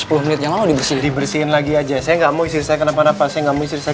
dua menit yang mau dibersihkan lagi aja saya enggak mau saya kenapa napa saya nggak mau saya